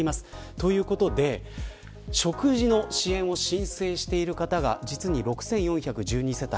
ということで食事の支援を申請している方が実に６４１２世帯。